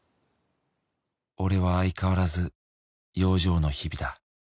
「俺は相変わらず養生の日々だ」